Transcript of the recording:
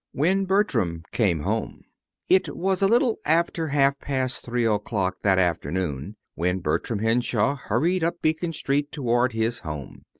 WHEN BERTRAM CAME HOME It was a little after half past three o'clock that afternoon when Bertram Henshaw hurried up Beacon Street toward his home.